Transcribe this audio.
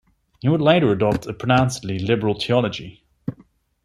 He would later adopt a pronouncedly liberal theology.